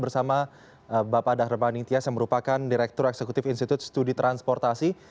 bersama bapak dahrmaning tias yang merupakan direktur eksekutif institut studi transportasi